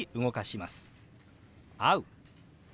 「会う」。